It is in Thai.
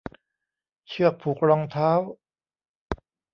เชือกผูกรองเท้า